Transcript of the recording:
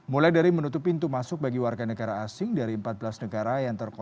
mulai dari menutup pintu masuk bagi warga negara asing dari empat belas negara yang terkonfirmasi adanya varian omikron